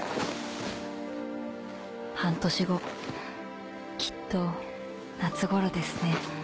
「半年後きっと夏頃ですね。